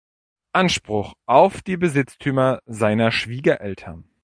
Anspruch auf die Besitztümer seiner Schwiegereltern.